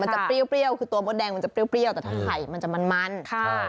จะเปรี้ยวคือตัวมดแดงมันจะเปรี้ยวแต่ถ้าไข่มันจะมันมันค่ะ